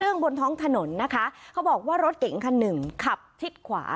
บนท้องถนนนะคะเขาบอกว่ารถเก๋งคันหนึ่งขับทิศขวา